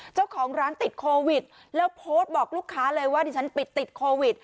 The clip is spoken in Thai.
เจ้าของร้านติดโควิดแล้วโพสต์บอกลูกค้าเลยว่าดิฉันปิดติดโควิด